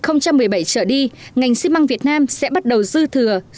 tổng công suất thiết kế của ngành ximang đạt gần tám mươi tám triệu tấn trên năm